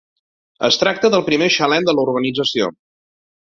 Es tracta del primer xalet de la urbanització.